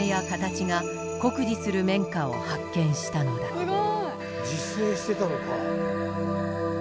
そしてすごい。自生してたのか。